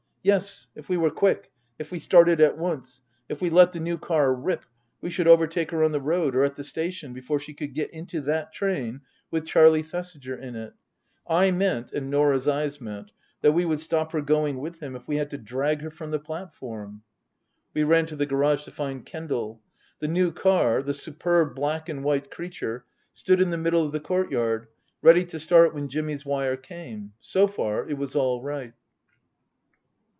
Yes, if we were quick, if we started at once, if we let the new car rip we should overtake her on the road, or at the station before she could get into that train with Charlie Thesiger in it. I meant, and Norah's eyes meant, that we would stop her going with him, if we had to drag her from the platform. We ran to the garage to find Kendal. The new car, the superb black and white creature, stood in the middle Book II : Her Book 235 of the courtyard, ready to start when Jimmy's wire came. So far it was all right.